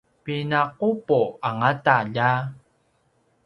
pina’upu angauta lja!